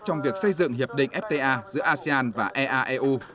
trong việc xây dựng hiệp định fta giữa asean và eaeu